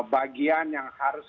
bagian yang harus